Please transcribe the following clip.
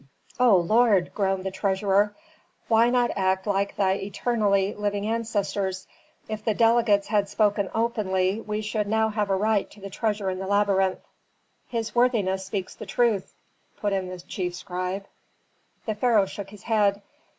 "O lord," groaned the treasurer, "why not act like thy eternally living ancestors. If the delegates had spoken openly we should now have a right to the treasure in the labyrinth." "His worthiness speaks the truth," put in the chief scribe. The pharaoh shook his head.